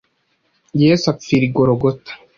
Yesu apfira i Gologota